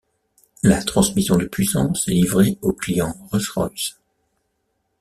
La transmission de puissance est livrée au client Rolls-Royce.